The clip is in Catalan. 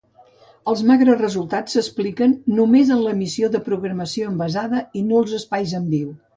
Els magres resultats s'expliquen només en l'emissió de programació envasada i nuls espais en viu.